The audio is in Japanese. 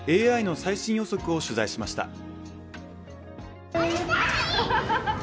ＡＩの最新予測を取材しました。